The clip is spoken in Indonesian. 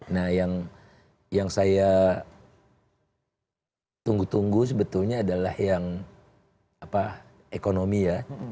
nah yang saya tunggu tunggu sebetulnya adalah yang ekonomi ya